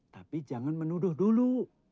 tapi jangan menuduh dulu